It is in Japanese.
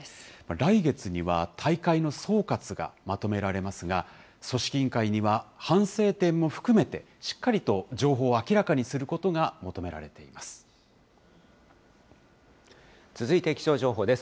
来月には大会の総括がまとめられますが、組織委員会には、反省点も含めて、しっかりと情報を明らかにすることが求められてい続いて気象情報です。